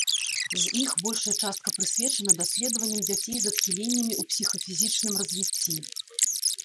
З іх большая частка прысвечана даследаванням дзяцей з адхіленнямі ў псіхафізічным развіцці.